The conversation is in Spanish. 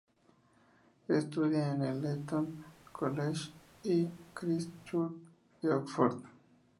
Estudia en el Eton College y en "Christ Church" de Oxford.